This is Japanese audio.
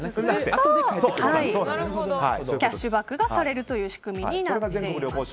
キャッシュバックがされるという仕組みになっています。